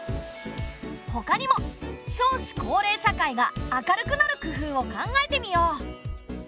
ほかにも少子高齢社会が明るくなる工夫を考えてみよう。